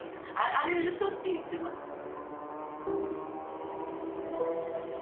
あれをしょっちゅう言ってましたよ。